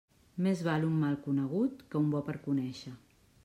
Més val un mal conegut que un bo per conéixer.